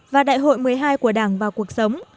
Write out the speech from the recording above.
và đại hội một mươi hai của đảng vào cuộc sống